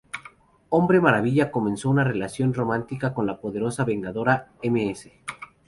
Hombre Maravilla comenzó una relación romántica con la Poderosa Vengadora Ms.